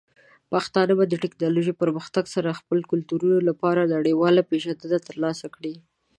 پښتانه به د ټیکنالوجۍ پرمختګ سره د خپلو کلتورونو لپاره نړیواله پیژندنه ترلاسه کړي.